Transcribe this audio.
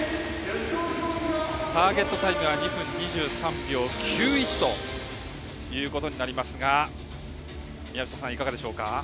ターゲットタイムは２分２３秒９１となりますが宮下さん、いかがでしょうか。